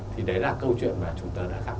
thì đấy là câu chuyện mà chúng tôi đã gặp